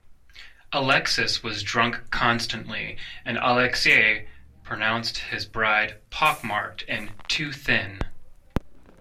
Alexis was drunk constantly and Alexei pronounced his bride "pock-marked" and "too thin".